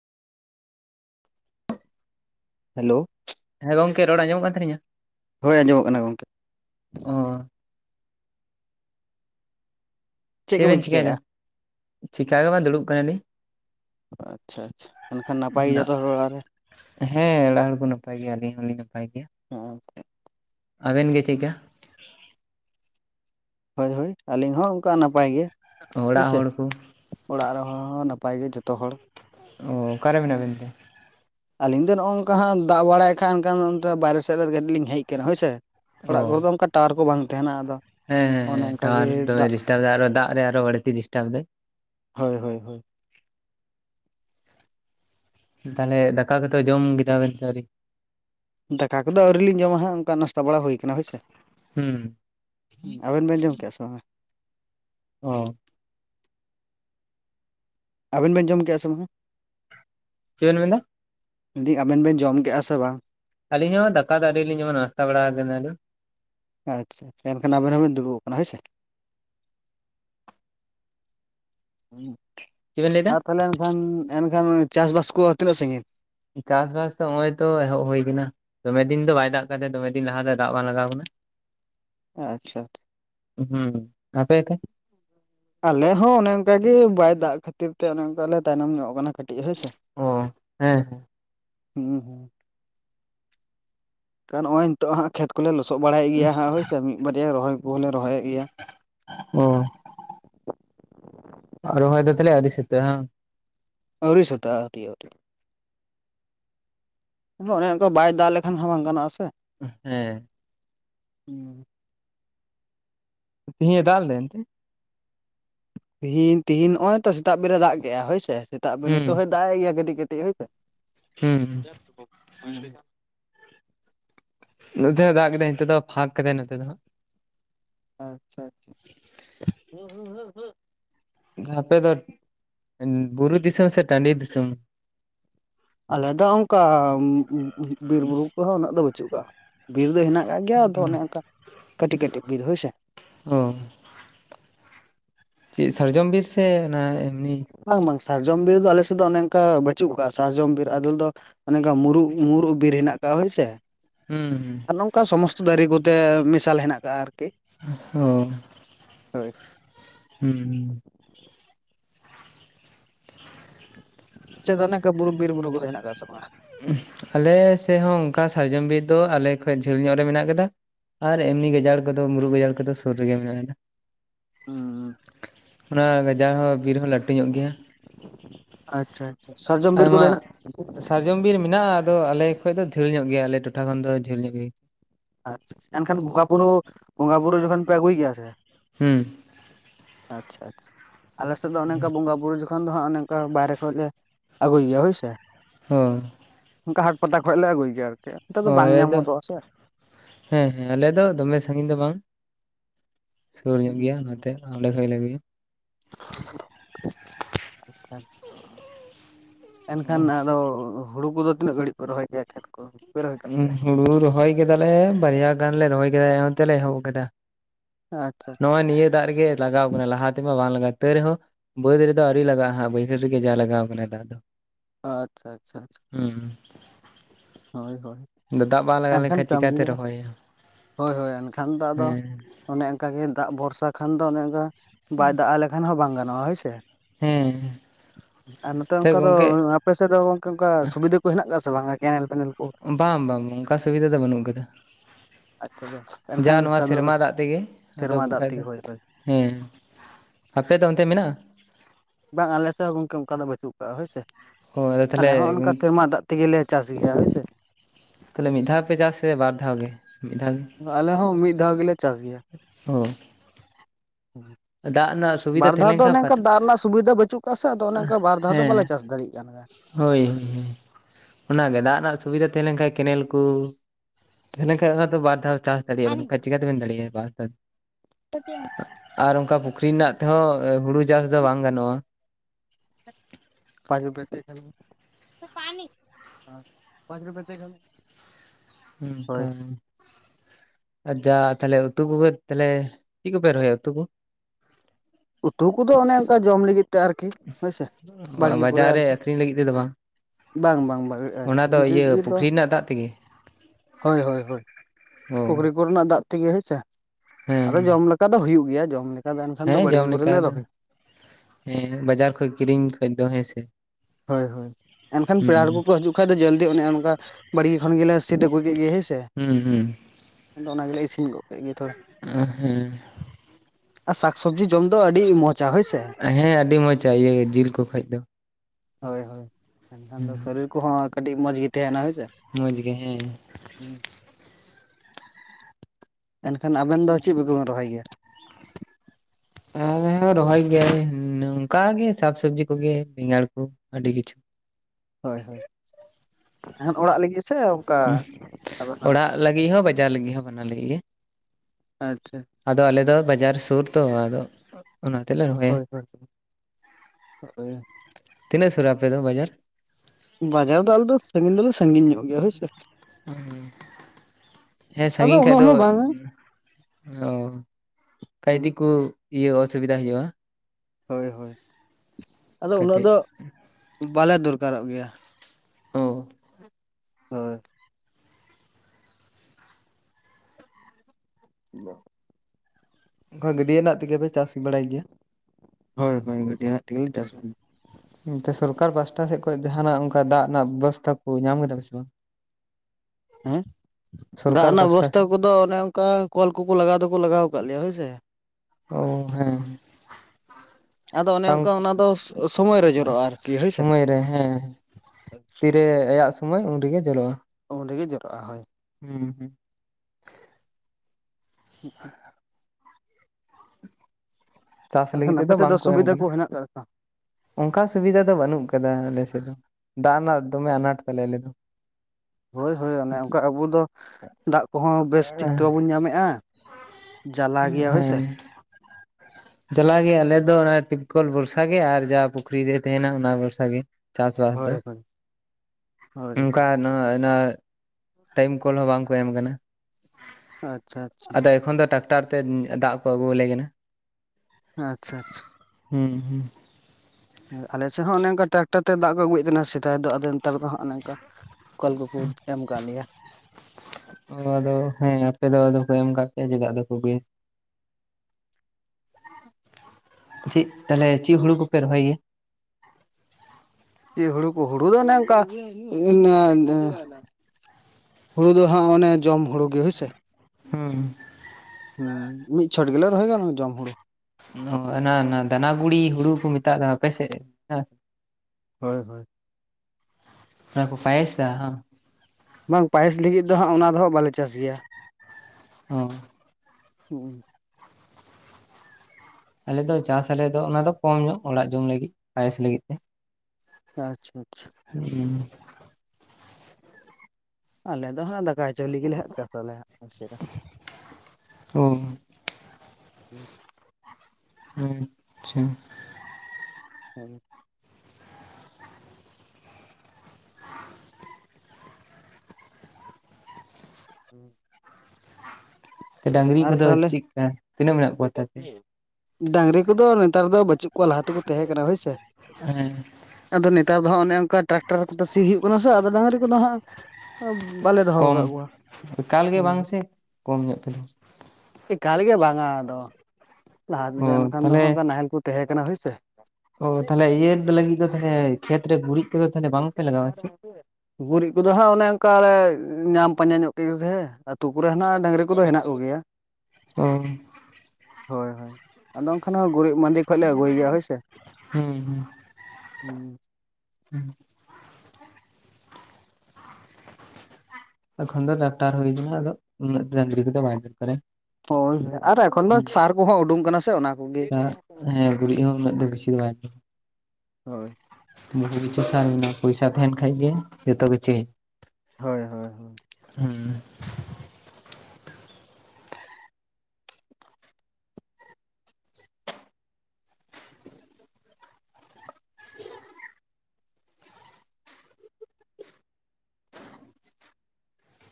Hello, ᱦᱮᱸ ᱜᱚᱝᱠᱮ ᱨᱚᱲ ᱟᱸᱢᱚᱜ ᱠᱟᱱ ᱛᱟᱦᱞᱤᱧᱟ? ᱦᱳᱭ ᱟᱸᱡᱚᱢᱚᱜ ᱠᱟᱱᱟ ᱜᱚᱝᱠᱮ᱾ ᱚ ᱪᱮᱫ ᱠᱚᱵᱤᱱ ᱵᱮᱱ ᱪᱠᱟᱹᱭᱮᱫᱟ? ᱪᱤᱠᱟᱹᱭᱮᱫᱼᱟ? ᱪᱮᱠᱟ ᱵᱟᱝ ᱫᱩᱲᱩᱵ ᱠᱟᱱᱟᱞᱤᱧ᱾ ᱟᱪᱪᱷᱟ ᱟᱪᱪᱷᱟ ᱮᱱᱠᱷᱟᱱ ᱱᱟᱯᱟᱭ ᱜᱮ ᱡᱚᱛᱚ ᱦᱚᱲ ᱚᱲᱟᱜ ᱨᱮ? ᱦᱮᱸ ᱚᱲᱟᱜ ᱦᱚᱲ ᱠᱚ ᱱᱟᱯᱟᱭ ᱜᱮᱭᱟ, ᱟᱹᱞᱤᱧ ᱦᱚᱸᱞᱤᱧ ᱱᱟᱯᱟᱭ ᱜᱮᱭᱟ᱾ ᱟᱪᱪᱷᱟ, ᱟᱵᱮᱱ ᱜᱮ ᱪᱮᱫᱠᱟ? ᱦᱳᱭ ᱦᱳᱭ ᱟᱹᱞᱤᱧ ᱦᱚᱸ ᱚᱱᱠᱟ ᱱᱟᱯᱟᱭ ᱜᱮ᱾ ᱚᱲᱟᱜ ᱦᱳᱭᱥᱮ ᱦᱚᱲ ᱠᱚ? ᱚᱲᱟᱜ ᱨᱮᱦᱚᱸ ᱦᱚᱸ ᱱᱟᱯᱟᱭ ᱜᱮ ᱡᱚᱛᱚ᱾ ᱦᱚᱲ᱾ ᱚ ᱚᱠᱟᱨᱮ ᱢᱮᱱᱟᱜ ᱵᱮᱱᱛᱮ? ᱟᱹᱞᱤᱧ ᱫᱚ ᱱᱚᱜᱼᱚ ᱱᱚᱝᱠᱟ ᱦᱟᱜ ᱫᱟᱜ ᱵᱟᱲᱟᱭ ᱠᱷᱟᱱ ᱮᱱᱠᱷᱟᱱ ᱚᱱᱛᱮ ᱵᱟᱭᱨᱮ ᱥᱮᱫ ᱨᱮ ᱠᱟᱴᱤᱡ ᱞᱤᱧ ᱦᱮᱡ ᱟᱠᱟᱱᱟ᱾ ᱦᱳᱭᱥ ᱥᱮ ᱚ ᱚᱲᱟᱜ ᱠᱚᱨᱮ ᱫᱚ ᱚᱱᱠᱟ ᱴᱟᱣᱟᱨ ᱠᱚ ᱵᱟᱝ ᱛᱟᱦᱮᱱᱟ ᱟᱫᱚ᱾ ᱦᱮᱸ ᱚᱱᱮ ᱦᱮᱸ ᱚᱱᱠᱟ ᱜᱮ ᱴᱟᱣᱟᱨ ᱫᱚᱢᱮ ᱫᱟᱜ ᱰᱤᱥᱴᱟᱵ ᱮᱫᱟ ᱟᱨᱚ ᱫᱟᱜ ᱨᱮ ᱟᱨᱚ ᱵᱟᱹᱲᱛᱤ ᱰᱤᱥᱴᱟᱵ ᱮᱟᱭ᱾ ᱦᱳᱭ ᱦᱳᱭ ᱦᱳᱭ᱾ ᱛᱟᱦᱚᱞᱮ ᱫᱟᱠᱟ ᱠᱚᱛᱚ ᱡᱚᱢ ᱠᱮᱫᱟ ᱵᱮᱱ ᱥᱮ ᱟᱹᱨᱤ? ᱫᱟᱠᱟ ᱠᱚᱫᱚ ᱟᱹᱣᱨᱤ ᱞᱤᱧ ᱡᱚᱢᱟ ᱦᱟᱸᱜ, ᱚᱱᱠᱟ ᱱᱟᱥᱛᱟ ᱵᱟᱲᱟ ᱦᱩᱭ ᱠᱟᱱᱟ ᱦᱳᱭᱥᱮ᱾ ᱦᱩᱸ ᱟᱵᱮᱱ ᱵᱮᱱ ᱡᱚᱢ ᱠᱮᱫᱼᱟ ᱥᱮ ᱵᱟᱝ? ᱚ ᱟᱵᱮᱱ ᱵᱮᱱ ᱡᱚᱢ ᱠᱮᱣᱭᱟᱜᱼᱟ ᱥᱮ ᱵᱟᱝ? ᱪᱮᱫᱵᱮᱱ ᱢᱮᱱᱫᱟ? ᱢᱤᱫᱫᱟᱹᱧ ᱟᱵᱮᱱ ᱵᱮᱱ ᱡᱚᱢ ᱠᱮᱫᱼᱟ ᱥᱮ ᱵᱟᱝ? ᱟᱹᱞᱤᱧ ᱦᱚᱸ ᱫᱟᱠᱟ ᱫᱚ ᱟᱣᱨᱤ ᱞᱤᱧ ᱡᱚᱢᱟ, ᱱᱟᱥᱛᱟ ᱵᱟᱲᱟ ᱟᱠᱟᱱᱟᱞᱤᱧ᱾ ᱟᱪᱪᱷᱟ ᱮᱱᱠᱷᱟᱱ ᱟᱵᱮᱱ ᱦᱚᱸᱵᱮᱱ ᱫᱩᱵ ᱟᱠᱟᱱᱟ ᱦᱭᱥ ᱥᱮ᱾ ᱦᱩᱸ ᱪᱮᱫᱵᱮᱱ ᱞᱟᱹᱭ ᱫᱟ ᱛᱟᱦᱚᱞᱮ ᱮᱱᱠᱷᱟᱱ ᱮᱱᱠᱷᱟᱱ ᱪᱟᱥ ᱵᱟᱥ ᱠᱚ ᱛᱤᱱᱟᱹᱜ ᱥᱟᱺᱜᱤᱧ ᱪᱟᱥᱵᱟᱥ ᱫᱚ ᱱᱚᱜ ᱚᱚᱭ ᱛᱚ ᱮᱦᱚᱵ ᱦᱩᱭᱠ ᱠᱟᱱᱟ᱾ ᱫᱚᱢᱮ ᱫᱤᱱ ᱫᱚ ᱵᱟᱭ ᱫᱟᱜ ᱠᱟ ᱫᱚᱢᱮ ᱫᱤᱱ ᱞᱟᱦᱟ ᱫᱚ ᱫᱟᱜ ᱵᱟᱝ ᱞᱟᱜᱟᱣ ᱠᱟᱱᱟ᱾ ᱟᱪᱪᱷᱟᱷᱟ ᱦᱩᱸ ᱟᱯᱮᱛ ᱟᱞᱮ ᱦᱚᱸ ᱚᱱᱮ ᱚᱱᱠᱟᱜ ᱜᱮ ᱵᱟᱭ ᱫᱟᱜ ᱠᱷᱟᱹᱛᱤᱨ ᱛᱮ ᱚᱱᱮ ᱚᱱᱠᱟ ᱞᱮ ᱛᱟᱭᱱᱚᱢ ᱧᱚᱜ ᱠᱟᱱᱟ ᱠᱟᱹᱴᱤᱡᱼᱼ ᱚ ᱦᱮᱸ ᱦᱮᱸ ᱦᱩᱸ ᱦᱩᱸ ᱟᱨ ᱱᱚᱜ ᱚᱚᱭ ᱱᱤᱛᱚᱜ ᱦᱜ ᱠᱷᱮᱛ ᱠᱚᱞᱮ ᱞᱚᱥᱚᱫ ᱵᱟᱲᱟᱭ ᱜᱮᱭᱟ ᱦᱜ ᱦᱳᱭᱥᱮ ᱢᱤᱫ ᱵᱟᱨᱭᱟ ᱨᱚᱭ ᱠᱚᱦᱚᱸᱮ ᱨᱚᱦᱚᱭᱮᱫ ᱜᱮᱭᱟ᱾ ᱚ ᱟᱨ ᱨᱚᱦᱚᱭ ᱫᱚ ᱛᱟᱞᱮ ᱟᱣᱨᱤ ᱥᱟᱛ ᱦ [inaudible] ᱟᱹᱣᱨᱤ ᱥᱚᱛᱨᱤ ᱟᱹᱣᱨᱤ ᱚᱱᱮ ᱠᱟ ᱵᱟᱭ ᱫᱟᱜ ᱞᱮᱠᱷᱟᱱ ᱦᱚᱸ ᱵᱟᱝ ᱜᱟᱱᱚᱜᱼᱟ ᱥᱮ ᱦᱮᱸ ᱦᱩᱸ ᱛᱮᱦᱮᱧᱭᱟᱹ ᱫᱟᱜ ᱞᱮᱫᱟᱭ ᱚᱱᱛᱮ ᱛᱤᱦᱤᱧ ᱛᱤᱧ ᱱᱚᱜᱼᱚᱭ ᱛᱚᱛᱟᱜ ᱵᱮ ᱨᱮ ᱫᱟᱜ ᱠᱮᱫᱮᱜᱼᱟ ᱦᱳᱭᱥᱮ ᱥᱮᱛᱟᱜ ᱵᱮᱤᱱ ᱱᱤᱛᱚᱜ ᱦᱩᱸ ᱦᱚᱸᱭ ᱫᱟᱜ ᱮ ᱜᱮᱭᱟ ᱠᱟᱹᱴᱤᱡ ᱠᱟᱹᱴᱤᱡ ᱦᱳᱭᱥᱮᱼᱼ ᱦᱮᱸ ᱦᱮᱸ [inaudible] ᱱᱚᱛᱮ ᱫᱟᱜ ᱠᱮᱫᱟᱭ ᱱᱮᱛᱚ ᱫᱚ ᱯᱷᱟᱜ ᱠᱮᱫᱟᱭ ᱱᱚᱛᱮ ᱫᱚ ᱦᱟᱸᱼᱼ ᱟᱪᱪᱷᱟ ᱟᱪᱪᱷᱟ [unintelligible] ᱟᱯᱮ ᱫᱚ ᱵᱩᱨᱩ ᱫᱤᱥᱚᱢ ᱥᱮ ᱴᱟᱺᱰᱤ ᱫᱤᱥᱚᱢ᱾ ᱟᱞᱮ ᱫᱚ ᱚᱱᱠᱟ ᱵᱤᱨ ᱵᱩᱨᱩ ᱠᱚᱦᱚᱸ ᱩᱱᱟᱹᱜ ᱫᱚ ᱵᱟᱹᱪᱩᱜ ᱟᱠᱟᱜᱼᱟ᱾ ᱵᱤᱨ ᱫᱚ ᱦᱮᱱᱟᱜ ᱠᱟᱜ ᱜᱮᱭᱟ ᱟᱫᱚ ᱚᱱᱮ ᱚᱱᱠᱟ ᱠᱟᱹᱴᱤᱡ ᱠᱟᱹᱴᱤᱡ ᱵᱤᱨ ᱦᱳᱭᱥᱮ᱾ ᱚ ᱪᱮᱫ ᱥᱟᱨᱡᱚᱢ ᱵᱤᱨ ᱥᱮ ᱚᱱᱟ ᱮᱢᱱᱤ ᱵᱟᱝ ᱵᱟᱝ ᱥᱟᱨᱡᱚᱢ ᱵᱤᱨ ᱫᱚ ᱟᱞᱮᱥ ᱥᱮᱫ ᱫᱚ ᱚᱱᱮ ᱚᱱᱠᱟ ᱵᱪᱩᱜ ᱠᱚᱜᱣᱟ ᱥᱟᱨᱡᱚᱢ ᱵᱤᱨ ᱟᱫᱚᱞ ᱫᱚ᱾ ᱚᱱᱮ ᱚᱱᱠᱟ ᱢᱩᱨᱩ ᱢᱩᱨᱩᱜ ᱵᱤᱨ ᱦᱮᱱᱟᱜ ᱟᱠᱟᱫᱟ ᱦᱳᱭᱥᱮ᱾ ᱦᱩᱸ᱾ ᱟᱨ ᱱᱚᱝᱠᱟ ᱥᱚᱢᱚᱥᱛᱚ ᱫᱟᱨᱮ ᱠᱚᱛᱮ ᱢᱮᱥᱟᱞ ᱦᱮᱱᱟᱜ ᱟᱠᱟᱫᱼᱟ ᱟᱨᱠᱤ᱾ ᱚ ᱦᱳᱭ ᱦᱩᱸ᱾ ᱪᱮᱫ ᱫᱚ ᱚᱱᱮᱠᱟ ᱵᱩᱨᱩ ᱵᱤᱨ ᱵᱩᱨᱩ ᱠᱚ ᱦᱮᱱᱟᱜ ᱟᱠᱟᱫ ᱥᱮ ᱵᱟᱝ? ᱟᱞᱮ ᱥᱮᱫ ᱦᱚᱸ ᱚᱱᱠᱟ ᱥᱟᱨᱡᱚᱢ ᱵᱤᱨ ᱫᱚ ᱟᱞᱮ ᱠᱷᱚᱡ ᱡᱷᱟᱹᱞ ᱧᱚᱜ ᱨᱮ ᱢᱮᱱᱟᱜ ᱟᱠᱟᱫᱟ᱾ ᱟᱨ ᱮᱢᱱᱤ ᱜᱟᱡᱟᱲ ᱠᱚᱫᱚ ᱢᱩᱨᱩᱫ ᱜᱟᱡᱟᱲ ᱠᱚᱫᱚ ᱥᱩᱨ ᱨᱮᱜᱮ ᱢᱮᱱᱟᱜ ᱟᱠᱟᱫᱟ᱾ ᱦᱩᱸ ᱚᱱᱟ ᱜᱟᱡᱟᱲ ᱦᱚᱸ ᱵᱤᱨ ᱦᱚᱸ ᱞᱟᱹᱴᱩ ᱧᱚᱜ ᱜᱮᱭᱟ᱾ ᱟᱪᱪᱷᱟ ᱥᱟᱨᱡᱚᱢ ᱵᱤᱨ ᱠᱚᱫᱚ ᱟᱭᱢᱟ ᱦᱮᱱᱟᱜ ᱟᱪᱪᱷᱟ ᱥᱟᱨᱡᱚᱢ ᱵᱤᱨ ᱢᱮᱱᱟᱜᱼᱟ ᱟᱫᱚ ᱟᱞᱮ ᱠᱷᱚᱡ ᱫᱚ ᱡᱷᱟᱹᱞ ᱧᱚᱜ ᱜᱮᱭᱟ ᱟᱞᱮ ᱴᱚᱴᱷᱟ ᱠᱷᱚᱱ ᱫᱚ ᱡᱷᱟᱹᱞ ᱧᱚᱜ ᱜᱮᱭᱟ᱾ ᱟᱪᱪᱷᱟ ᱮᱱᱠᱷᱟᱱ ᱵᱚᱸᱜᱟ ᱵᱩᱨᱩ ᱵᱚᱸᱜᱟ ᱵᱩᱨᱩ ᱡᱚᱠᱷᱚᱱ ᱯᱮ ᱟᱹᱜᱩᱭᱮᱫ ᱜᱮᱭᱟ ᱥᱮ᱾ ᱦᱩᱸ᱾ ᱟᱪᱪᱷᱟ ᱟᱪᱪᱷᱟ ᱟᱞᱮᱥᱮᱫ ᱫᱚ ᱚᱱᱮ ᱚᱱᱠᱟ ᱵᱚᱸᱜᱟ ᱵᱩᱨᱩ ᱡᱚᱠ ᱠᱷᱚᱱ ᱫᱚ ᱦᱟᱜ ᱚᱱᱮ ᱚᱱᱠᱟ ᱵᱟᱦᱨᱮ ᱠᱷᱚᱡ ᱞᱮ ᱟᱹᱜᱩᱭᱮᱭᱟ ᱦᱳᱭᱥᱮ᱾ ᱦᱮᱸ᱾ ᱚᱱᱠᱟ ᱦᱟᱴ ᱯᱟᱛᱟ ᱠᱷᱚᱱᱚᱡ ᱞᱮ ᱟᱹᱜᱩᱭ ᱭᱮᱭᱟ᱾ ᱚ ᱟᱞᱮ ᱫᱚ ᱦᱮᱸ ᱦᱮᱸ ᱟᱞᱮ ᱫᱚ ᱫᱚᱢᱮ ᱥᱟᱺᱜᱤᱧ ᱫᱚ ᱵᱟᱝ᱾ ᱥᱩᱨ ᱧᱚᱜ ᱜᱮᱭᱟ ᱚᱱᱟᱛᱮ ᱚᱸᱰᱮ ᱠᱷᱚᱱᱚᱡ ᱞᱮ ᱟᱹᱜᱩᱭᱟ᱾ [unintelligible] ᱮᱱᱠᱷᱟᱱ ᱟᱫᱚ ᱦᱩᱲᱩ ᱠᱚᱫᱚ ᱛᱤᱱᱟᱹᱜ ᱜᱷᱟᱹᱲᱤᱡ ᱯᱮ ᱨᱚᱦᱚᱭ ᱠᱮᱜᱼᱟ? ᱦᱩᱲᱩ ᱨᱚᱦᱚᱭ ᱠᱮᱫᱟᱞᱮ ᱵᱟᱨᱭᱟ ᱜᱟᱱᱞᱮ ᱨᱚᱦᱚᱭ ᱠᱮᱫᱟ ᱮᱚᱱ ᱛᱮᱞ ᱞᱮ ᱮᱦᱚᱵ ᱠᱮᱫᱟ᱾ ᱟᱪᱪᱷᱟ ᱟᱪᱪᱷᱟ ᱱᱚᱜᱚᱭ ᱱᱤᱭᱟᱹ ᱫᱟᱜ ᱨᱮᱜᱮ ᱞᱟᱜᱟᱣ ᱠᱟᱱᱟ ᱞᱟᱦᱟ ᱛᱮᱢᱟ ᱵᱟᱝ ᱞᱟᱜᱟᱣᱛ ᱛᱟᱣ ᱨᱮᱦᱚᱸ ᱵᱟᱹᱫᱽ ᱨᱮᱫᱚ ᱟᱹᱣᱨᱤ ᱞᱟᱜᱟᱜᱼᱟ ᱦᱟᱜ ᱵᱟᱹᱭᱦᱟᱹᱲ ᱨᱮᱜᱮ ᱡᱟ ᱞᱟᱜᱟᱣ ᱠᱟᱱᱟ ᱫᱟᱜ ᱫᱚ᱾ ᱟᱪᱪᱷᱟ ᱟᱪᱪᱷᱟ ᱪᱷᱟ᱾ ᱦᱮᱸ᱾ ᱦᱳᱭ ᱦᱳᱭ᱾ ᱫᱟᱜ ᱵᱟᱝ ᱞᱟᱜᱟᱣ ᱮᱱᱠᱷᱟᱱ ᱞᱮᱱᱠᱷᱟᱱ ᱠᱟᱹᱢᱤ ᱪᱤᱠᱟᱛᱮ ᱭᱚ ᱨᱚᱦᱚᱭᱟ ᱦᱳᱭ ᱦᱳᱭ ᱮᱱᱠᱷᱟᱱ ᱫᱚ ᱟᱫᱚ ᱦᱮᱸ ᱚᱱᱮ ᱠᱟᱜᱮ ᱫᱟᱜ ᱵᱷᱚᱨᱥᱟ ᱠᱷᱟᱱ ᱫᱚ ᱚᱱᱮ ᱚᱝᱠᱟ ᱵᱟᱭ ᱫᱟᱜ ᱟᱞᱮ ᱠᱷᱟᱱ ᱦᱚᱸ ᱵᱟᱝ ᱜᱟᱱᱚᱜᱼᱟ ᱦᱳᱭᱥᱮ᱾ ᱦᱮᱸ ᱟᱨ ᱱᱚᱛᱮ ᱛᱚ ᱚᱝᱠᱟ ᱫᱚ ᱜᱚᱝᱠᱮ ᱟᱯᱮ ᱥᱮᱜ ᱫᱚ ᱜᱚᱝᱠᱮ ᱚᱝᱠᱟ ᱥᱩᱵᱤᱫᱷᱟ ᱠᱚ ᱦᱮᱱᱟᱜ ᱠᱟᱜ ᱥᱮ ᱵᱟᱝ ᱠᱮᱱᱮᱞ ᱯᱮᱱᱮᱞ ᱠᱚ? ᱵᱟ ᱵᱟᱝ ᱚᱱᱠᱟ ᱥᱩᱵᱤᱫᱷᱟ ᱫᱚ ᱵᱟᱹᱱᱩᱜ ᱠᱟᱫᱟ᱾ ᱟᱪᱪᱷᱟ ᱟᱪᱪᱷᱟ ᱡᱟ ᱮᱱᱠᱷᱟᱱ ᱱᱚᱣᱟ ᱥᱟᱫᱚ ᱥᱮᱨᱢᱟ ᱫᱟᱜ ᱛᱮᱜᱮ ᱟᱫᱚ ᱥᱮᱨᱢᱟ ᱫᱟᱜ ᱵᱟᱠᱦᱟᱡ ᱫᱚ᱾ ᱛᱮᱜᱮ ᱦᱳᱭ ᱦᱳᱭ ᱦᱮᱸ ᱟᱯᱮ ᱫᱚ ᱚᱱᱛᱮ ᱢᱮᱱᱟᱜᱼᱟ? ᱵᱟᱝ ᱟᱞᱮ ᱥᱮᱜ ᱦᱚᱸ ᱜᱚᱝᱠᱮ ᱚᱝᱠᱟ ᱫᱚ ᱵᱟᱹᱪᱩᱜ ᱠᱟᱜᱼᱟ ᱦᱳᱭᱥᱮ, ᱚ ᱟᱫᱚ ᱟᱞᱮ ᱛᱟᱦᱚᱞᱮ ᱦᱚᱸ ᱚᱱᱠᱟ ᱥᱮᱨᱢᱟ ᱫᱟᱜ ᱛᱮᱜᱮᱞᱮ ᱪᱟᱥ ᱜᱮᱭᱟ ᱦᱳᱭ ᱥᱮ᱾ ᱛᱟᱞᱦᱮ ᱢᱤᱫ ᱫᱷᱟᱣ ᱯᱮ ᱪᱟᱥᱮ ᱵᱟᱨ ᱫᱷᱟᱣ ᱜᱮ ᱢᱤᱫ ᱫᱷᱟᱣ ᱜᱮ? ᱟᱞᱮ ᱦᱚᱸ ᱢᱤᱫ ᱫᱷᱟᱣ ᱜᱮᱞᱮ ᱪᱟᱥ ᱜᱮᱭᱟ᱾ ᱳ ᱥᱩᱵᱤᱫᱷᱟ ᱵᱟᱨ ᱛᱟᱦᱮᱸ ᱫᱷᱟᱣ ᱫᱚ ᱞᱮᱱᱠᱷᱟᱱ ᱚᱱᱮ ᱚᱝᱠᱟ ᱫᱟᱜ ᱨᱮᱱᱟᱜ ᱥᱩᱵᱤᱫᱟ ᱵᱟᱹᱪᱩᱜ ᱠᱟᱜᱟ ᱥᱮ ᱟᱫᱚ ᱚᱱᱮ ᱚᱝᱠᱟ ᱵᱟᱨ ᱫᱷᱟ ᱫᱚ ᱵᱟᱞᱮ ᱦᱮᱸ ᱪᱟᱥ ᱫᱟᱲᱮᱭᱟᱜ ᱠᱟᱱᱟ᱾ ᱦᱳᱭ ᱦᱳᱭ ᱦᱳᱭ ᱚᱱᱟᱜᱮ ᱫᱟᱜ ᱨᱮᱱᱟᱜ ᱥᱩᱵᱤᱫᱟ ᱛᱟᱦᱮᱸ ᱞᱮᱱ ᱠᱷᱟᱡ ᱠᱮᱱᱮᱞ ᱠᱩ ᱛᱮᱦᱮ ᱞᱮᱱᱷᱟᱡ ᱟᱫᱚ ᱵᱟᱨ ᱫᱷᱟᱣ ᱪᱟᱥ ᱫᱟᱲᱮᱭᱟᱜ-ᱟ ᱵᱮᱱ ᱵᱟᱠᱷᱟᱡ ᱪᱮᱠᱟᱹ ᱛᱮᱵᱤᱱ ᱫᱟᱲᱮᱭᱟᱜ ᱵᱟᱨ ᱫᱷᱟᱣ [unintelligible] ᱟᱨ ᱚᱝᱠᱟ ᱯᱩᱠᱷᱨᱤ ᱨᱮᱱᱟᱜ ᱛᱮᱦᱚᱸ ᱦᱩᱲᱩ ᱪᱟᱥ ᱫᱚ ᱵᱟᱝ ᱜᱟᱱᱚᱜ-ᱟ᱾ [unintelligible] [unintelligible] ᱦᱩᱸ ᱚᱝᱠᱟ ᱦᱳᱭ ᱜᱮ᱾ ᱟᱪᱡᱟ ᱛᱟᱞᱦᱮ ᱩᱛᱩ ᱠᱚᱜᱮ ᱛᱟᱞᱦᱮ ᱪᱮᱫ ᱠᱚᱯᱮ ᱨᱚᱦᱚᱭ-ᱟ ᱩᱛᱩ ᱠᱚ? ᱩᱛᱩ ᱠᱚᱫᱚ ᱚᱱᱮ ᱚᱝᱠᱟ ᱡᱚᱢ ᱞᱤᱜᱤᱫ ᱛᱮ ᱟᱨᱠᱤ ᱦᱳᱭᱥᱮ ᱵᱟᱲᱜᱮ ᱠᱚᱨᱮ ᱵᱟᱡᱟᱨ ᱨᱮ ᱟᱨᱠᱤ᱾ ᱟᱹᱠᱷᱨᱤᱧ ᱞᱟᱹᱜᱤᱫ ᱛᱮᱫᱚ ᱵᱟᱝ ᱵᱟᱝ ᱵᱟᱝ ᱵᱟᱝ ᱚᱱᱟ ᱫᱚ ᱤᱭᱟᱹ [unintelligible] ᱯᱩᱠᱷᱨᱤ ᱨᱮᱱᱟᱜ ᱫᱟᱜ ᱛᱮᱜᱮ ᱦᱳᱭ ᱦᱳᱭ ᱦᱳᱭ ᱚ ᱯᱩᱠᱷᱨᱤ ᱠᱚᱨᱮᱱᱟᱜ ᱫᱟᱜ ᱛᱮᱜᱮ ᱦᱮᱸᱥᱮ ᱦᱮᱸ ᱟᱫᱚ ᱡᱚᱢ ᱞᱮᱠᱟ ᱫᱚ ᱦᱩᱭᱩᱜ ᱜᱮᱭᱟ ᱡᱚᱢ ᱞᱮᱠᱟ ᱫᱚ ᱮᱱᱠᱷᱟᱱ ᱫᱚ ᱵᱟᱹᱲᱜᱤ ᱠᱟᱭ ᱫᱚ ᱦᱮᱸ ᱵᱟᱡᱟᱨ ᱠᱷᱚᱡ ᱠᱤᱨᱤᱧ ᱠᱷᱟᱡ ᱫᱚ ᱦᱮᱸ ᱥᱮ᱾ ᱦᱳᱭ ᱦᱳᱭ ᱮᱱᱠᱷᱟᱱ ᱯᱮᱲᱟ ᱦᱚᱲ ᱦᱩᱸ ᱠᱚᱠᱚ ᱦᱟᱡᱩᱜ ᱠᱷᱟᱡ ᱫᱚ ᱡᱟᱞᱫᱤ ᱚᱱᱮ ᱚᱱᱠᱟ ᱵᱟᱲᱤ ᱠᱷᱚᱱ ᱜᱮᱞᱮ ᱥᱤᱫ ᱟᱹᱜᱩ ᱠᱮᱫ ᱜᱮ ᱦᱮᱸ ᱥᱮ᱾ ᱦᱩᱸ ᱦᱩᱸ ᱟᱫᱚ ᱚᱱᱟ ᱜᱮᱞᱮ ᱤᱥᱤᱱ ᱜᱚᱜᱠᱮᱫ ᱜᱮ ᱛᱷᱚᱲᱟ᱾ [unintelligible] ᱟᱨ ᱥᱟᱠ ᱥᱚᱵᱽᱡᱤ ᱡᱚᱢ ᱫᱚ ᱟᱹᱰᱤ ᱢᱚᱸᱡᱟ ᱦᱳᱭ ᱥᱮ᱾ ᱦᱮᱸ ᱟᱹᱰᱤ ᱢᱚᱸᱡᱟ ᱤᱭᱟᱹ ᱡᱤᱞ ᱠᱚ ᱠᱷᱚᱡ ᱫᱚ᱾ ᱦᱳᱭ ᱦᱳᱭ ᱮᱱᱠᱷᱟᱱ ᱫᱚ ᱥᱚᱨᱤᱨ ᱠᱚᱦᱚᱸ ᱠᱟᱹᱴᱤᱡ ᱢᱚᱡᱽ ᱜᱮ ᱛᱟᱦᱮᱱᱟ ᱢᱚᱡᱽ ᱜᱮ ᱦᱮᱸ᱾ ᱦᱩᱸ ᱮᱱᱠᱷᱟᱱ ᱟᱵᱮᱱ ᱫᱚ ᱪᱮᱜ [unintelligible] ᱨᱚᱦᱚᱭ ᱜᱮᱭᱟ? ᱦᱮᱸ ᱨᱚᱦᱚᱭ ᱜᱮᱭᱟ ᱞᱤᱧ ᱚᱝᱠᱟ ᱜᱮ ᱥᱟᱠ ᱥᱚᱵᱽᱡᱤ ᱠᱚᱜᱮ ᱵᱮᱸᱜᱟᱲ ᱠᱚ ᱟᱹᱰᱤ ᱠᱤᱪᱷᱩ᱾ ᱦᱳᱭ ᱦᱳᱭ ᱮᱠᱷᱟᱱ ᱚᱲᱟᱜ ᱞᱤᱹᱜᱤᱫ ᱥᱮ ᱚᱝᱠᱟ [unintelligible] ᱞᱟᱹᱜᱤᱜ ᱦᱚᱸ ᱵᱟᱡᱟᱨ ᱞᱟᱹᱜᱤᱜ ᱦᱚᱸ ᱵᱟᱱᱟᱨ ᱞᱟᱹᱜᱤᱜ ᱜᱮ᱾ ᱟᱪᱪᱷᱟ ᱟᱫᱚ ᱟᱞᱮᱫᱚ ᱵᱟᱡᱟᱨ ᱥᱳᱨ ᱛᱚ ᱟᱫᱚ ᱚᱱᱟ ᱛᱮᱞᱮ ᱨᱚᱦᱚᱭᱟ, ᱦᱳᱭ ᱦᱳᱭ ᱦᱳᱭ ᱛᱤᱱᱟᱹᱜ ᱥᱳᱨᱟ ᱟᱯᱮ ᱫᱚ ᱵᱟᱡᱟᱨ? ᱵᱟᱡᱟᱨ ᱫᱚ ᱟᱞᱮ ᱫᱚ ᱥᱟᱹᱜᱤᱧ ᱫᱚᱞᱮ ᱥᱟᱹᱜᱤᱧ ᱧᱚᱜ ᱜᱮᱭᱟ ᱦᱳᱭᱥᱮ ᱦᱮᱸ ᱟᱫᱚ ᱥᱟᱹᱜᱤᱧ ᱠᱷᱟᱡ ᱩᱱᱟᱹᱜ ᱫᱚ ᱦᱚᱸ ᱵᱟᱝᱟ ᱚ ᱠᱟᱭᱫᱤ ᱠᱚ ᱤᱭᱟᱹ ᱚᱥᱩᱵᱤᱫᱷᱟ ᱦᱩᱭᱩᱜ-ᱟ᱾ ᱦᱳᱭ ᱦᱳᱭ ᱟᱫᱚ ᱩᱱᱟᱹᱜ ᱫᱚ ᱵᱟᱞᱮ ᱫᱚᱨᱠᱟᱨᱚᱜ ᱜᱮᱭᱟ᱾ ᱚ ᱦᱳᱭ ᱚᱝᱠᱟ ᱜᱟᱹᱰᱭᱟᱹ ᱨᱮᱱᱟᱜ ᱛᱮᱜᱮ ᱯᱮ ᱪᱟᱥ ᱵᱟᱲᱟᱭ ᱜᱮᱭᱟ? ᱦᱳᱭ ᱦᱳᱭ ᱜᱟᱹᱰᱤᱟᱹ ᱨᱮᱱᱟᱜ ᱛᱮᱜᱮᱞᱤᱧ ᱪᱟᱥ᱾ ᱦᱩᱸᱛᱚ ᱥᱚᱨᱠᱟᱨ ᱯᱟᱥᱴᱟ ᱥᱮᱫ ᱠᱷᱚᱱ ᱡᱟᱦᱟᱱᱟᱜ ᱚᱝᱠᱟ ᱫᱟᱜ ᱨᱮᱱᱟᱜ ᱵᱮᱵᱚᱥᱛᱷᱟ ᱠᱚ ᱧᱟᱢ ᱠᱮᱫᱟ ᱯᱮ ᱥᱮ ᱵᱟᱝ? [inaudible] ᱦᱮᱸ ᱫᱟᱜ ᱥᱚᱨᱠᱟᱨ ᱨᱮᱱᱟᱜ ᱯᱟᱥᱴᱟ ᱵᱮᱵᱚᱥᱛᱷᱟ ᱥᱮᱫ ᱠᱚᱫᱚ ᱚᱱᱮ ᱚᱱᱠᱟ ᱠᱚᱞ ᱠᱚᱠᱚ ᱞᱟᱜᱟᱣ ᱫᱚᱠᱚ ᱞᱟᱜᱟᱣ ᱠᱟᱫ ᱞᱮᱭᱟ ᱦᱳᱭ ᱥᱮ᱾ ᱚ ᱦᱮᱸ ᱟᱫᱚ, ᱚᱱᱮ ᱵᱟᱝ ᱚᱱᱠᱟ ᱚᱱᱟ ᱫᱚ, ᱥᱚ, ᱥᱚᱢᱚᱭ ᱨᱮ ᱡᱚᱨᱚᱜᱼᱟ ᱟᱨᱠᱤ, ᱦᱚᱼᱼ ᱥᱳᱚᱢᱚᱭ ᱨᱮ, ᱦᱮᱸ [unintelligible] ᱛᱤᱨᱮ ᱟᱭᱟᱜ ᱥᱚᱢᱚᱭ, ᱩᱱ ᱨᱮᱜᱮ ᱠᱚᱨᱚᱜᱼᱟ᱾ ᱩᱸᱱ ᱨᱮᱜᱮ ᱡᱚᱨᱚᱜᱼᱟ, ᱦᱳᱭ ᱦᱩᱸ ᱦᱩᱸ [inaudible] ᱪᱟᱥ ᱞᱟᱹᱜᱤᱫ ᱮᱱᱠᱷᱟᱱ ᱟᱯᱮ ᱛᱮᱫᱚ, ᱥᱮᱫ ᱫᱚ ᱵᱟᱝᱠᱚ ᱮᱢ ᱥᱩᱵᱤᱫᱷᱟ ᱠᱟᱱᱟ, ᱠᱚ ᱦᱮᱱᱟᱜ ᱟᱠᱟᱫᱟ ᱚᱱᱠᱟ ᱥᱩᱵᱷᱤᱫᱟ ᱫᱚ ᱵᱟᱹᱱᱩᱜ ᱠᱟᱫᱟ, ᱟᱞᱮ ᱥᱮᱫ ᱫᱚ ᱫᱟᱜ ᱨᱮᱱᱟᱜ ᱫᱚᱢᱮ, ᱟᱱᱟᱴ ᱛᱟᱞᱮ ᱟᱞᱮ ᱫᱚ᱾ ᱦᱳᱭᱼᱦᱳᱭ ᱚᱱᱮ ᱚᱱᱠᱟ, ᱟᱵᱚ ᱫᱚ, ᱫᱟᱜ ᱠᱚᱦᱚᱸ ᱵᱮᱥ ᱴᱷᱤᱠ ᱛᱮ ᱵᱟᱵᱚᱱ ᱧᱟᱢ ᱮᱜᱼᱟ᱾ ᱡᱟᱞᱟ ᱜᱮᱭᱟ, ᱦᱳᱭ ᱥᱮ᱾ ᱦᱮᱸ ᱡᱟᱞᱟ ᱜᱮᱭᱟ ᱟᱞᱮᱫᱚ, ᱚᱱᱟ ᱴᱤᱯ ᱠᱚᱞ ᱵᱷᱚᱨᱥᱟᱮ, ᱟᱨ ᱡᱟ ᱯᱩᱠᱷᱨᱤ ᱨᱮ ᱛᱟᱸᱦᱮᱱᱟ, ᱚᱱᱟ ᱵᱷᱚᱨᱥᱟ ᱜᱮᱼᱼ ᱪᱟᱥ ᱵᱟᱥ ᱫᱚ, ᱦᱳᱭ ᱦᱳᱭ ᱦᱳᱭ ᱚᱱᱠᱟᱼᱼ ᱱᱚᱼᱱᱚᱭ, ᱴᱟᱭᱤᱢ ᱠᱚᱞ ᱦᱚᱸ, ᱵᱟᱝ ᱠᱚ, ᱮᱢ ᱠᱟᱱᱟ? ᱟᱪᱪᱷᱟ ᱟᱪᱪᱷᱟ [inaudible] ᱟᱫᱚ ᱮᱠᱷᱚᱱ ᱫᱚ, ᱴᱟᱠᱴᱟᱨ ᱛᱮ ᱫᱟᱜ ᱠᱚ ᱟᱹᱜᱩᱣᱟᱞᱮ ᱠᱟᱱᱟ᱾ ᱟᱪᱪᱷᱟ ᱟᱪᱪᱷᱟ ᱦᱩᱸ ᱦᱩᱸ ᱟᱞᱮ ᱥᱮᱸᱜ ᱦᱚᱸ, ᱚᱱᱮ ᱚᱱᱠᱟ ᱴᱨᱟᱠᱴᱟᱨ ᱛᱮ ᱫᱟᱜ ᱠᱚ ᱟᱹᱜᱩᱭᱮᱫ ᱛᱟᱦᱮᱱᱟ, ᱥᱮᱫᱟᱭ ᱫᱚ, ᱟᱫᱚ ᱱᱮᱛᱟᱨ ᱫᱚ ᱦᱟᱸᱜ ᱚᱱᱮ ᱚᱱᱠᱟ ᱠᱚᱞ ᱠᱚᱠᱚ, ᱮᱢ ᱠᱟᱫ ᱞᱤᱭᱟ ᱚ, ᱟᱫᱚ, ᱦᱮᱸ ᱟᱯᱮ ᱫᱚ ᱟᱫᱚ ᱠᱚ ᱮᱢ ᱠᱟᱫ ᱯᱮᱭᱟ, ᱪᱮᱫᱟᱜ ᱫᱚ ᱯᱮ ᱟᱹᱜᱩᱭᱟ ᱪᱮᱫ, ᱛᱟᱦᱞᱮ ᱪᱮᱫ ᱦᱩᱲᱩ ᱠᱚᱯᱮ ᱨᱚᱦᱚᱭ ᱜᱮᱭᱟ? ᱪᱮᱫ ᱦᱩᱲᱩ ᱠᱚ, ᱦᱩᱲᱩ ᱫᱚ ᱚᱱᱮ ᱚᱱᱠᱟ, [unintelligible] ᱦᱩᱲᱩ ᱫᱚ ᱦᱟᱸᱜ, ᱚᱱᱮ ᱡᱚᱢ ᱦᱩᱲᱩ ᱜᱮ, ᱦᱳᱭ ᱥᱮ ᱦᱩᱸ ᱦᱮᱸ, ᱢᱤᱜ ᱪᱷᱚᱴ ᱜᱮᱞᱮ ᱨᱚᱦᱚᱭ ᱚᱱᱮ ᱡᱚᱢ ᱦᱩᱲᱩ᱾ ᱚ, ᱚᱱᱟ ᱚᱱᱟ, ᱫᱟᱱᱟ ᱜᱩᱲᱤ ᱦᱩᱲᱩ ᱠᱚ ᱢᱮᱛᱟᱜ ᱠᱟᱱᱟ, ᱟᱯᱮ ᱥᱮᱫ, ᱦᱮᱸ ᱦᱳᱭ ᱦᱳᱭ ᱚᱱᱟᱠᱚ ᱯᱟᱭᱥᱟ, ᱦᱟᱸ ᱵᱟᱝ, ᱯᱟᱭᱮᱥ ᱞᱟᱹᱜᱤᱫ ᱫᱚ ᱦᱟᱸᱜ ᱚᱱᱟ ᱫᱚ, ᱵᱟᱞᱮ ᱪᱟᱥ ᱜᱮᱭᱟ᱾ ᱚᱸ, ᱦᱩᱸᱸ ᱟᱞᱮ ᱫᱚ, ᱪᱟᱥ ᱟᱞᱮ ᱫᱚ, ᱚᱱᱟ ᱫᱚ ᱠᱚᱢ ᱧᱚᱜ ᱚᱲᱟᱜ ᱡᱚᱢ ᱞᱟᱹᱜᱤᱫ, ᱯᱟᱭᱮᱥ ᱞᱟᱹᱜᱤᱫ ᱛᱮ᱾ ᱟᱪᱼᱪᱷᱟ ᱟᱪᱼᱪᱷᱟ ᱦᱩᱸ, ᱩᱸ ᱟᱞᱮ ᱫᱚ ᱦᱟᱸᱜ, ᱫᱟᱠᱟᱭ ᱦᱚᱪᱚᱭ ᱞᱤᱜᱤᱫ ᱞᱮ ᱦᱟᱸᱜ ᱪᱟᱥ ᱟᱞᱮ, ᱥᱮᱫ ᱫᱚ ᱚ ᱦᱮᱸᱪᱼᱪᱷᱟ ᱦᱮᱸ ᱦᱩᱸ ᱰᱟᱝᱨᱤ ᱟᱨ ᱠᱚᱫᱚ ᱛᱟᱦᱚᱞᱮ ᱪᱮᱫ ᱠᱟ, ᱛᱤᱱᱟᱹᱜ ᱢᱮᱱᱟᱜ ᱠᱚ ᱛᱟ ᱯᱮᱭᱟ? ᱰᱟᱝᱨᱤ ᱠᱚᱫᱚ ᱱᱮᱛᱟᱨ ᱫᱚ, ᱵᱟᱹᱪᱩᱜ ᱠᱚᱣᱟ, ᱞᱟᱦᱟ ᱛᱮᱠᱚ ᱛᱮᱸᱦᱮ ᱠᱟᱱᱟ ᱦᱳᱭ ᱥᱮ᱾ ᱦᱮᱸ ᱟᱫᱚ ᱱᱮᱛᱟᱨ ᱫᱚ ᱦᱟᱸᱜ, ᱚᱱᱮ ᱚᱱᱠᱟ ᱴᱨᱟᱠᱴᱟᱨ ᱠᱚᱛᱮ ᱥᱤ ᱦᱩᱭᱩᱜ ᱠᱟᱱᱟ ᱥᱮ, ᱟᱫᱚ ᱰᱟᱹᱝᱨᱤ ᱠᱚᱫᱚ ᱦᱟᱸᱜ ᱵᱟᱞᱮ ᱫᱚᱦᱚᱣ ᱠᱚᱢ ᱠᱟᱫ ᱠᱚᱣᱟ᱾ ᱮᱠᱟᱞ ᱜᱮ ᱵᱟᱝ, ᱥᱮ ᱠᱚᱢ ᱧᱚᱜ ᱯᱮ, ᱫᱚᱦᱚ ᱮᱠᱟᱞ ᱜᱮ ᱵᱟᱝᱼᱟ ᱟᱫᱚ, ᱞᱟᱦᱟ ᱛᱮ ᱚ [unintelligible] ᱮᱱᱠᱟ ᱫᱚ, ᱛᱟᱦᱚᱞᱮ ᱱᱟᱦᱮᱞ ᱠᱚ ᱛᱮᱸᱦᱮᱸ ᱠᱟᱱᱟ ᱦᱳᱭ ᱥᱮᱼᱼ ᱚ ᱛᱟᱦᱞᱮ ᱤᱭᱟᱹ ᱞᱟᱹᱜᱤᱫ ᱫᱚ ᱛᱟᱦᱞᱮ ᱠᱷᱮᱛ ᱨᱮ ᱜᱩᱨᱤᱡ ᱠᱚᱫᱚ ᱛᱟᱦᱞᱮ ᱵᱟᱝ ᱯᱮ ᱞᱟᱜᱟᱣᱟ ᱥᱮ ᱜᱩᱨᱤᱡ ᱠᱚᱫᱚ ᱦᱟᱸᱜ ᱚᱱᱮ ᱚᱱᱠᱟ [unintelligible] ᱥᱮ ᱟᱛᱳ ᱠᱚᱨᱮ ᱱᱟᱜ ᱰᱟᱝᱨᱤ ᱠᱚᱫᱚ ᱦᱮᱱᱟᱜ ᱠᱚ ᱜᱮᱭᱟ᱾ ᱚᱻ ᱦᱳᱭ, ᱦᱳᱭ ᱟᱫᱚ ᱚᱱᱠᱷᱟᱱ ᱦᱚᱸ ᱜᱩᱨᱤᱡ ᱢᱟᱸᱫᱮ ᱠᱷᱚᱡ ᱞᱮ ᱟᱹᱜᱩᱭ ᱜᱮᱭᱟ ᱦᱳᱭ ᱥᱮ, ᱦᱩᱸ ᱦᱮᱸ ᱦᱩᱸ ᱮᱠᱷᱚᱱ ᱫᱚ ᱰᱟᱠᱛᱟᱨ ᱦᱩᱭ ᱠᱟᱱᱟ ᱟᱫᱚ ᱩᱱᱟᱹᱜ ᱰᱟᱝᱨᱤ ᱠᱚᱫᱚ ᱵᱟᱭ ᱫᱚᱨᱠᱟᱨᱟ ᱦᱳᱭ ᱟᱨ ᱮᱠᱷᱚᱱ ᱫᱚ ᱥᱟᱨ ᱠᱚᱦᱚᱸ ᱩᱰᱩᱝ ᱠᱟᱱᱟ ᱥᱮ ᱚᱱᱟ ᱠᱚᱜᱮᱼᱼ ᱦᱮᱸ ᱜᱩᱨᱤᱡ ᱦᱚᱸ ᱩᱱᱟᱹᱜ ᱫᱚ ᱵᱮᱥᱤ ᱫᱚ ᱵᱟᱭ ᱦᱳᱭ [unintelligible] ᱥᱟᱨ ᱯᱚᱭᱥᱟ ᱛᱟᱦᱮᱱ ᱠᱷᱟᱡ ᱜᱮ ᱡᱚᱛᱚ ᱠᱤᱪᱷᱩᱼᱼ ᱦᱳᱭ, ᱦᱳᱭ, ᱦᱳᱭ ᱦᱩᱸ